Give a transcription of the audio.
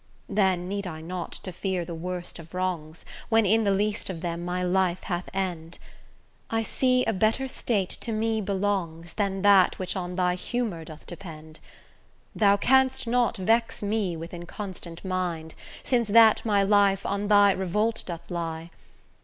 Then need I not to fear the worst of wrongs, When in the least of them my life hath end. I see a better state to me belongs Than that which on thy humour doth depend: Thou canst not vex me with inconstant mind, Since that my life on thy revolt doth lie.